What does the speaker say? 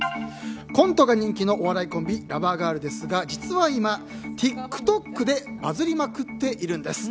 コントが人気のお笑いコンビラバーガールですが実は今、ＴｉｋＴｏｋでバズりまくっているんです。